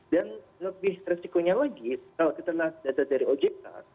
dan lebih resikonya lagi kalau kita lihat data dari ojk